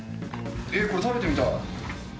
これ、食べてみたい。